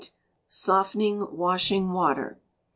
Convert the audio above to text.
Softening Washing Water.